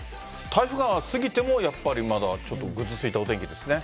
台風が過ぎてもやっぱりまだちょっとぐずついた天気ですね。